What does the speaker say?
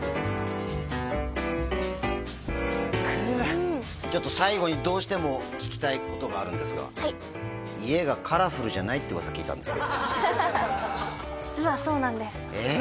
くちょっと最後にどうしても聞きたいことがあるんですが家がカラフルじゃないって噂聞いたんですけど実はそうなんですえ？